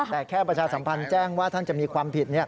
แต่แค่ประชาสัมพันธ์แจ้งว่าท่านจะมีความผิด